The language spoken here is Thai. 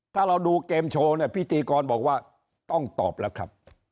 ถ้าเราดูเกมโชว์เนี่ยพิธีกรบอกว่าต้องตอบแล้วครับ